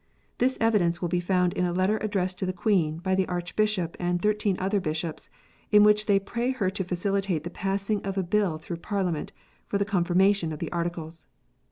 This evidence will be found in a letter addressed to the Queen, by the Archbishop and thirteen other Bishops, in which they pray her to facilitate the passing of a Bill through Parliament for the confirmation of the Articles.